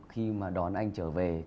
khi mà đón anh trở về